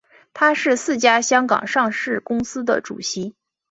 他是四家香港上市公司的主席。